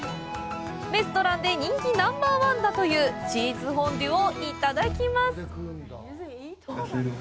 レストランで人気ナンバーワンだというチーズフォンデュをいただきます。